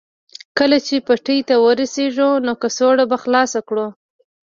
کله چې پټي ته ورسېږو نو کڅوړه به خلاصه کړو